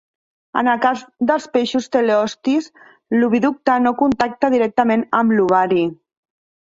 En el cas dels peixos teleostis, l'oviducte no contacta directament amb l'ovari.